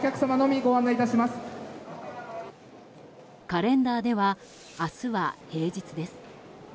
カレンダーでは明日は平日です。